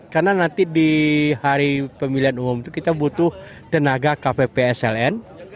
karena nanti di hari pemilihan umum itu kita butuh tenaga kppsln